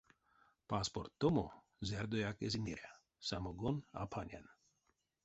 Паспорттомо зярдояк эзинь эря, самогон а панян.